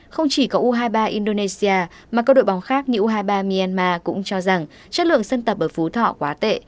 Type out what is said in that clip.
không chỉ có u hai mươi ba indonesia mà các đội bóng khác như u hai mươi ba myanmar cũng cho rằng chất lượng sân tập ở phú thọ quá tệ